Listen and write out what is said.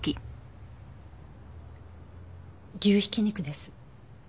牛挽き肉です。